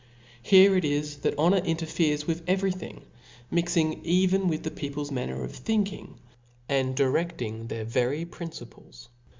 Here it is that honor interferes with every things mixing even with people's manner of thinking, and dircfting their very principles.